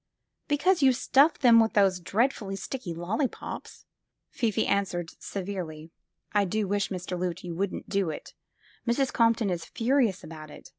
Because you stuff them with those dreadful, sticky lollipops," Fifi answered severely. "I do wish, Mr. Loote, you wouldn't do it. Mrs. Compton is furious about it.